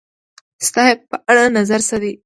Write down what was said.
ستا یی په اړه نظر څه دی؟